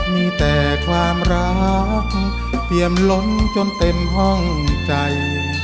มีแต่ความรักเตรียมล้นจนเต็มห้องใจ